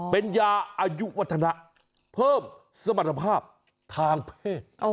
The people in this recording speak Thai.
เป็นยาอายุวัฒนะเพิ่มสมรรถภาพทางเพศ